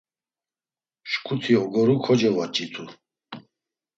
Şǩuti ogoru kocevoç̌itu.